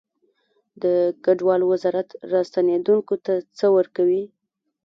د کډوالو وزارت راستنیدونکو ته څه ورکوي؟